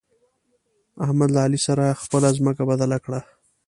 احمد له علي سره خپله ځمکه بدله کړه.